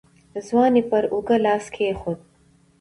ځوان يې پر اوږه لاس کېښود.